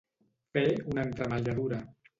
Fer una entremaliadura.